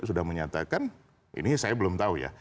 sudah menyatakan ini saya belum tahu ya